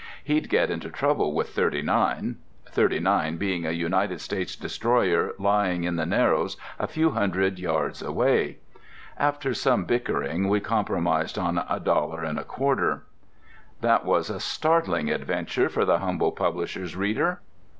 He'd get into trouble with "39"—"39" being a United States destroyer lying in the Narrows a few hundred yards away. After some bickering we compromised on a dollar and a quarter. That was a startling adventure for the humble publisher's reader!